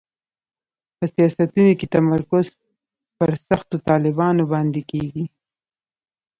په سیاستونو کې تمرکز پر سختو طالبانو باندې کېږي.